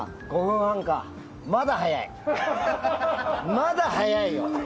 まだ早いよ。